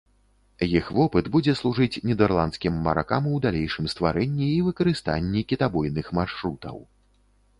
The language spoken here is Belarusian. Іх вопыт будзе служыць нідэрландскім маракам у далейшым стварэнні і выкарыстанні кітабойных маршрутаў.